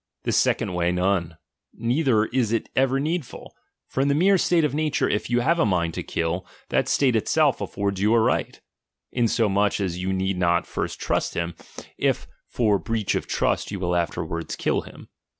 This second Way, none ; neither is it ever needful. For in the mere state of nature, if you have a mind to kill, that state itself affords you a right ; insomuch as jou need not first trust him, if for breach of trust you will afterwards kill him.